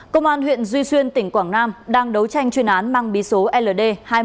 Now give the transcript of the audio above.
công an huyện duy xuyên tỉnh quảng nam đang đấu tranh chuyên án mang bí số ld hai nghìn một trăm một mươi bảy